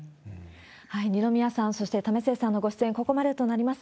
二宮さん、そして為末さんのご出演、ここまでとなります。